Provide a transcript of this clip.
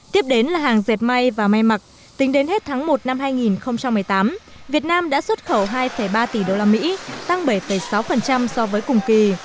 tiếp đến là hàng dệt may và may mặc tính đến hết tháng một năm hai nghìn một mươi tám việt nam đã xuất khẩu hai ba tỷ usd tăng bảy sáu so với cùng kỳ